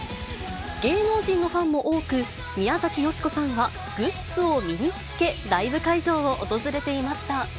芸能人のファンも多く、宮崎美子さんはグッズを身につけ、ライブ会場を訪れていました。